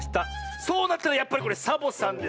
そうなったらやっぱりこれサボさんですね。